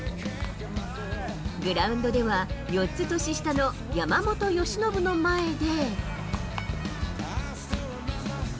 グラウンドでは、４つ年下の山本由伸の前で。